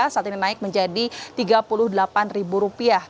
saat ini naik menjadi rp tiga puluh delapan rupiah